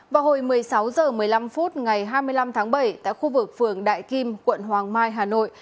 vào hồi một mươi sáu h một mươi năm phút ngày hai mươi năm tháng bảy tại khu vực phường đại kim quận hoàng mai hà nội